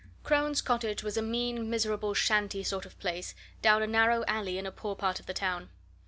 Crone's cottage was a mean, miserable shanty sort of place down a narrow alley in a poor part of the town.